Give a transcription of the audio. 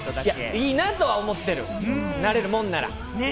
いいなとは思うよ、なれるもんなら。